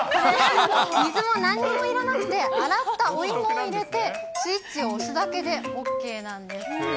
水もなんにもいらなくて、洗ったお芋を入れて、スイッチを押すだけでＯＫなんです。